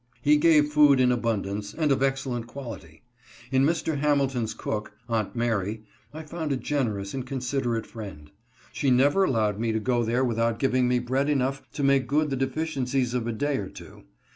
He gave food in abundance, and of excellent quality. In Mr. Hamilton's cook — Aunt Mary — I found a generous and considerate friend. She never allowed me to go there without giv ing me bread enough to make good the deficiencies ©f a day or two.